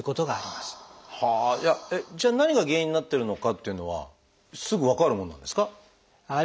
はあえっじゃあ何が原因になってるのかっていうのはすぐ分かるものなんですか？